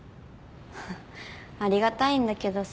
ありがたいんだけどさ。